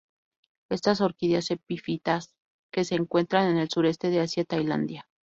Estas orquídeas epífitas que se encuentran en el Sureste de Asia Tailandia.